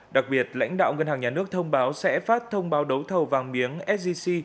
đặc biệt lãnh đạo ngân hàng nhà nước thông báo sẽ phát thông báo đấu thầu vàng miếng sgc